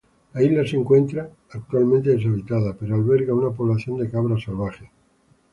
La isla se encuentra actualmente deshabitada, pero alberga una población de cabras salvajes.